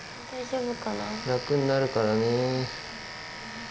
楽になるからね。